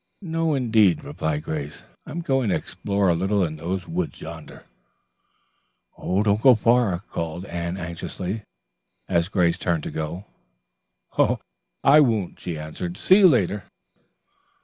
"No indeed," replied Grace. "I'm going to explore a little in those woods yonder." "Don't go far," called Anne anxiously, as Grace turned to go. "I won't," she answered. "See you later."